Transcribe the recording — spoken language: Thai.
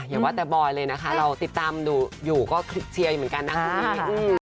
อย่าว่าแต่บอยเลยนะคะเราติดตามอยู่ก็เชียร์เหมือนกันนะครับ